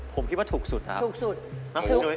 ผมคิดว่าถูกสุดครับถูกสุด